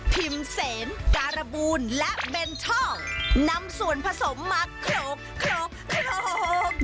พิมเซนการะบูนและเบนทอลนำส่วนผสมมาโคลกโคลกโคลก